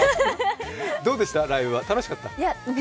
どうでした、ライブは楽しかった？